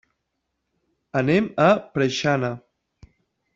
Anem a Preixana.